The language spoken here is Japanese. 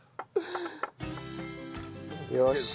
よし。